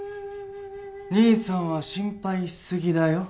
兄さんは心配し過ぎだよ。